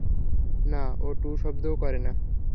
না, ও টুঁ শব্দটাও করে না!